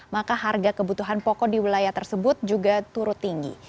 maka harga kebutuhan pokok di wilayah tersebut juga turut tinggi